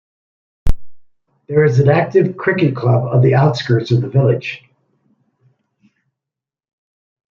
There is an active cricket club on the outskirts of the village.